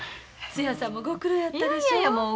つやさんもご苦労やったでしょう。